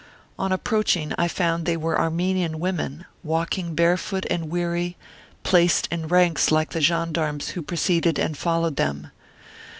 On approaching, I found they were Armenian women, walking bare foot and weary, placed in ranks like the gendarmes who preceded and followed them.